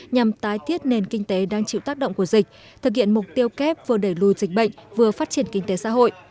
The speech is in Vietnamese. nhằm tái thiết nền kinh tế đang chịu tác động của dịch thực hiện mục tiêu kép vừa đẩy lùi dịch bệnh vừa phát triển kinh tế xã hội